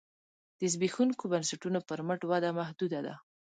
د زبېښونکو بنسټونو پر مټ وده محدوده ده